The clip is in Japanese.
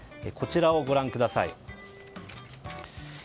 こちらをご覧ください。